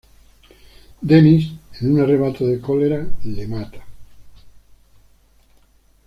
Dennis, en un arrebato de cólera, le mata.